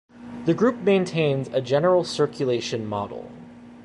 The group maintains a general circulation model.